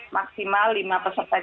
maksimal lima persen